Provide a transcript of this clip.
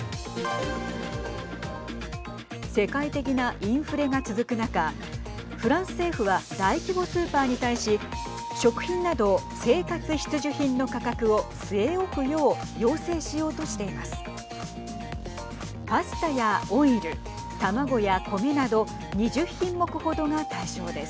世界的なインフレが続く中フランス政府は大規模スーパーに対し食品など、生活必需品の価格を据え置くよう要請しようとしています。